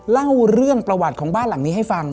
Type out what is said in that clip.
เล่าเรื่องประวัติของบ้านหลังนี้ให้ฟัง